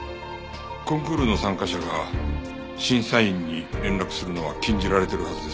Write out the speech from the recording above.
コンクールの参加者が審査員に連絡するのは禁じられてるはずですが？